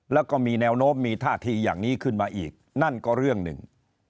แล้วก็มีแนวโน้มมีท่าทีอย่างนี้ขึ้นมาอีกนั่นก็เรื่องหนึ่ง